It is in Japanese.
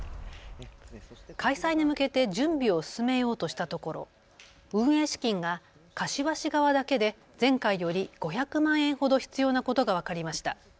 開催に向けて準備を進めようとしたところ運営資金が柏市側だけで前回より５００万円ほど必要なことが分かりました。